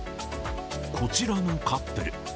こちらのカップル。